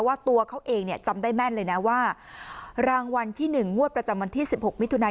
ว่าตัวเขาเองจำได้แม่นแล้วว่ารางวัลที่๑มประจำมาที่๑๖มธ